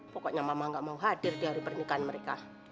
pokoknya mama gak mau hadir di hari pernikahan mereka